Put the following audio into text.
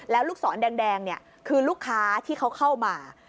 แล้วลูกศรแดงคือลูกค้าที่เขาเข้ามา